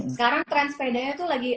sekarang tren sepedanya tuh lagi